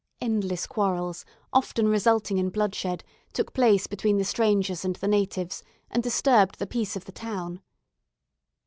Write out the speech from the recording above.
Endless quarrels, often resulting in bloodshed, took place between the strangers and the natives, and disturbed the peace of the town.